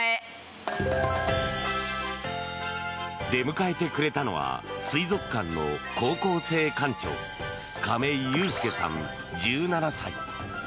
出迎えてくれたのは水族館の高校生館長亀井裕介さん、１７歳。